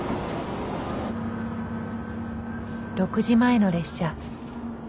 ６時前の列車。